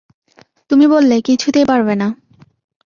তুমি বললে, কিছুতেই পারবে না।